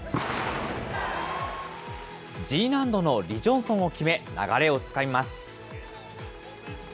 Ｇ難度のリ・ジョンソンを決め、流れをつかみます。